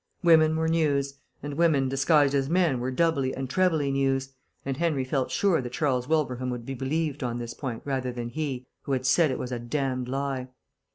Women were News; and women disguised as men were doubly and trebly News (and Henry felt sure that Charles Wilbraham would be believed on this point rather than he, who had said it was a damned lie).